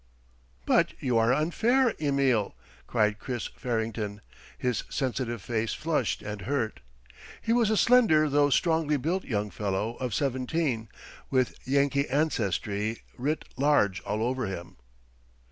"But you are unfair, Emil!" cried Chris Farrington, his sensitive face flushed and hurt. He was a slender though strongly built young fellow of seventeen, with Yankee ancestry writ large all over him.